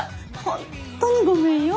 ほんとにごめんよ。